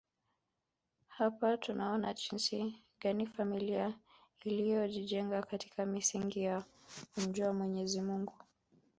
Hapa tunaona jinsi gani familia iliyojijenga katika misingi ya kumjua Mwenyezi Mungu